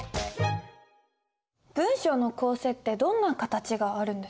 文章の構成ってどんなカタチがあるんですか。